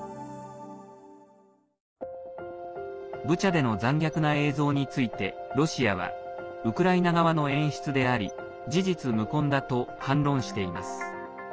ブチャでの残虐な映像についてロシアは「ウクライナ側の演出であり事実無根だ」と反論しています。